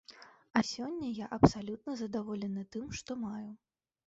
А сёння я абсалютна задаволены тым, што маю.